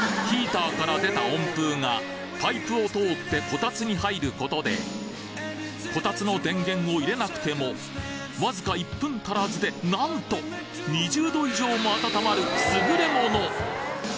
ヒーターから出た温風がパイプを通ってこたつに入ることでこたつの電源を入れなくてもわずか１分足らずでなんと２０℃以上も温まる優れもの！